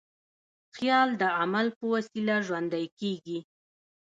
خیال د عمل په وسیله ژوندی کېږي.